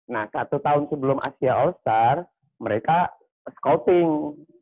nah satu tahun sebelum asia all star mereka scouting